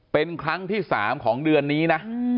เป็นครั้งที่๓ของเดือนนี้นะ